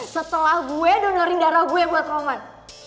setelah gue donerin darah gue buat roman